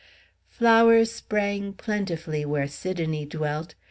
Flowers sprang plentifully where Sidonie dwelt.